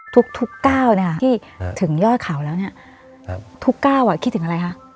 ทุกทุกก้าวที่ถึงย่อยเขาแล้วทุกก้าวคิดถึงอะไรคะ